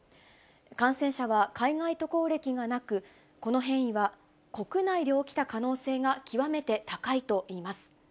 感染者は海外渡航歴がなく、この変異は国内で起きた可能性が極めて高いといいます。